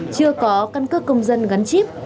chưa có căn cước công dân gắn chip